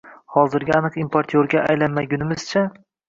Hozirgi aniq importyorga aylanmagunimizcha